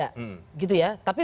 tapi bukan saja